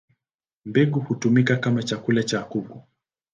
Mbegu hutumika kama chakula cha kuku.